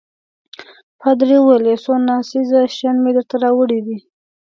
پادري وویل: یو څو ناڅېزه شیان مې درته راوړي دي.